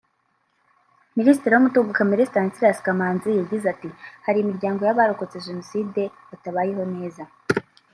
Minisitiri w’ umutungo kamere Stanislas Kamanzi yagize ati “Hari imiryango y’Abarokotse Jenoside batabayeho neza